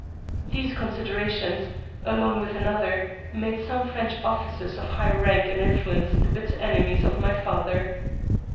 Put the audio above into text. These considerations, along with another, made some French officers of high rank and influence the bitter enemies of my father.